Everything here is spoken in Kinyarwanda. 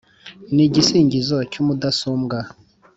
ni igisingizo cy’umudasumbwa